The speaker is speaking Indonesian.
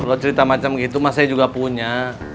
kalau cerita macam gitu mas saya juga punya